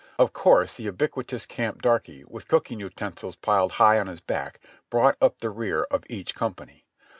Of course the ubiquitous camp darky, with cooking utensils piled high on his back, brought up the rear of each company.